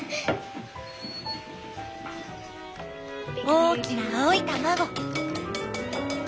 大きな青い卵！